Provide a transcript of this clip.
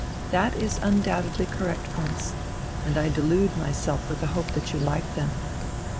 "That is undoubtedly correct, Prince. And I delude myself with the hope that you liked them."